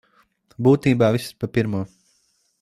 Būtībā viss ir pa pirmo.